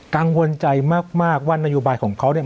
กังวลใจมากว่านโยบายของเขาเนี่ย